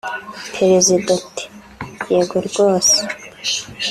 Perezida ati “Yego rwose